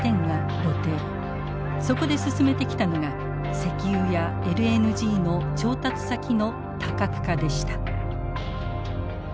そこで進めてきたのが石油やＬＮＧの調達先の多角化でした。